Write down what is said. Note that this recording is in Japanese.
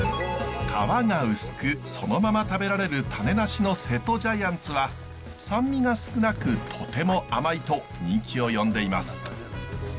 皮が薄くそのまま食べられる種なしの瀬戸ジャイアンツは酸味が少なくとても甘いと人気を呼んでいます。